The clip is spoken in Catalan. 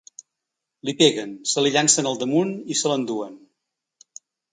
Li peguen, se li llancen al damunt i se l’enduen.